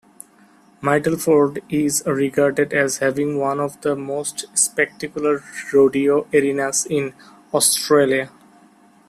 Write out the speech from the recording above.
Myrtleford is regarded as having one of the most spectacular rodeo arenas in Australia.